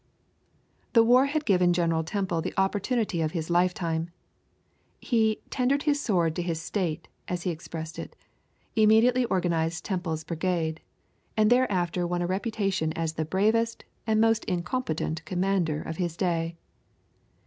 The war had given General Temple the opportunity of his lifetime. He "tendered his sword to his State," as he expressed it, immediately organized Temple's Brigade, and thereafter won a reputation as the bravest and most incompetent commander of his day.